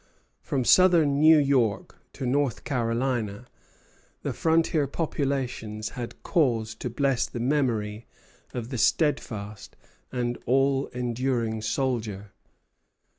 From southern New York to North Carolina, the frontier populations had cause to bless the memory of the steadfast and all enduring soldier.